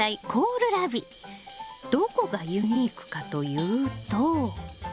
どこがユニークかというと。